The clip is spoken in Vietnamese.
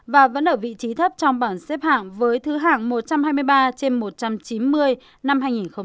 và vẫn ở vị trí thấp trong bảng xếp hạng với thứ hạng một trăm hai mươi ba trên một trăm chín mươi năm hai nghìn một mươi tám